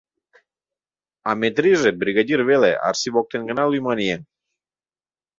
А Метриже бригадир веле, Арси воктен гына лӱман еҥ.